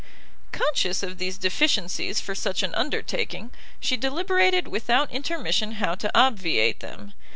Conscious of these deficiencies for such an undertaking, she deliberated without intermission how to obviate them.